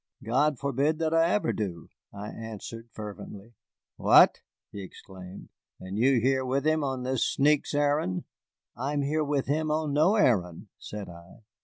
"God forbid that I ever do," I answered fervently. "What," he exclaimed, "and you here with him on this sneak's errand!" "I am here with him on no errand," said I.